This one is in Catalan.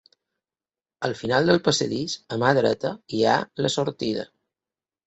Al final del passadís, a mà dreta hi ha la sortida.